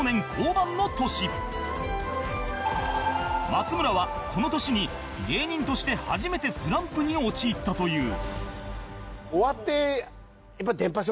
松村はこの年に芸人として初めてスランプに陥ったという